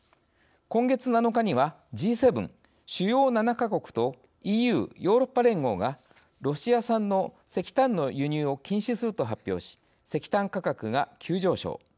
今月７日にはＧ７＝主要７か国とＥＵ＝ヨーロッパ連合がロシア産の石炭の輸入を禁止すると発表し石炭価格が急上昇。